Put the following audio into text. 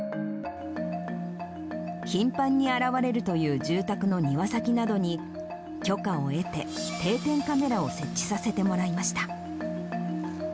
頻繁に現れるという住宅の庭先などに、許可を得て、定点カメラを設置させてもらいました。